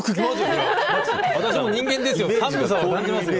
私も人間ですよ。